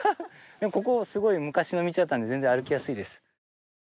でもここすごく昔の道だったので全然歩きやすいです。